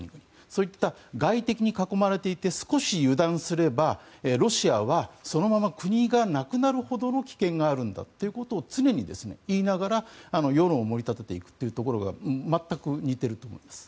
そういった外敵に囲まれていて少し油断すればロシアはそのまま国がなくなるほどの危険があるんだということを常に言いながら、世論を盛り立てていくというところが全く似ていると思います。